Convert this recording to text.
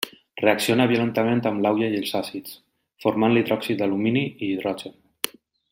Reacciona violentament amb l'aigua i els àcids, formant l'hidròxid d'alumini i hidrogen.